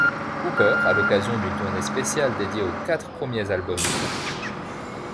Cooper, à l'occasion d'une tournée spéciale dédiée aux quatre premiers albums du groupe.